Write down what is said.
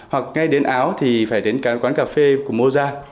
hoặc ngay đến áo thì phải đến quán cà phê của moza